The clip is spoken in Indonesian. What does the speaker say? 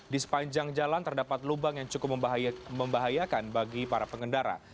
di sepanjang jalan terdapat lubang yang cukup membahayakan bagi para pengendara